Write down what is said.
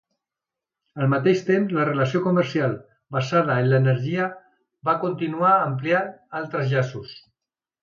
Al mateix temps la relació comercial basada en l'energia va continuar ampliant altres llaços.